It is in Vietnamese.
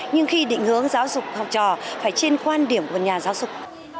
nhưng khi định hướng giáo dục học trò phải trên quan điểm của nhà giáo dục